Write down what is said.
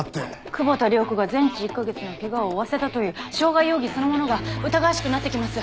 久保田涼子が全治１カ月の怪我を負わせたという傷害容疑そのものが疑わしくなってきます！